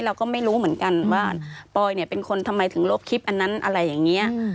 เราก็ไม่รู้เหมือนกันว่าปอยเนี่ยเป็นคนทำไมถึงลบคลิปอันนั้นอะไรอย่างนี้